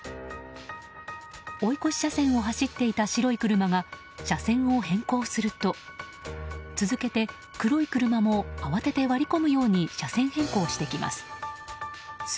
追い越し車線を走っていた白い車が車線を変更すると続けて黒い車も慌てて割り込むように車線変更してきます。